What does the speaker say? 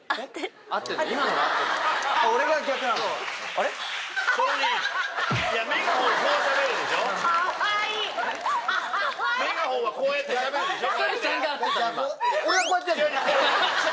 あれ⁉メガホンはこうやってしゃべるでしょ。